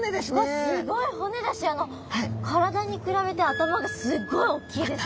すごい骨だし体に比べて頭がすごい大きいですよね。